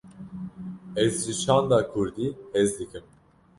Ez ji çanda kurdî hez dikim.